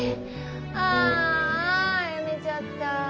ああやめちゃった。